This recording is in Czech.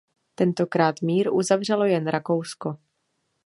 Tentokrát mír uzavřelo jen Rakousko.